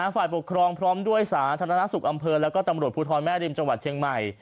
ฝ่ายปกครองพร้อมด้วยสาธารณสุขอำเภอแล้วก็ตำรวจภูทรแม่ริมจังหวัดเชียงใหม่